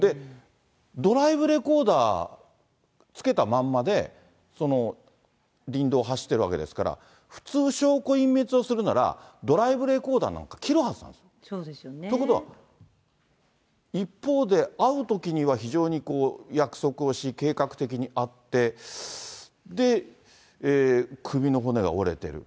ドライブレコーダーつけたまんまで、林道走ってるわけですから、普通、証拠隠滅をするなら、ドライブレコーダーなんか切るはずなんですそうですよね。ということは、一方で会うときには非常にこう、約束をし、計画的に会って、で、首の骨が折れてる。